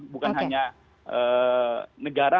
bukan hanya negara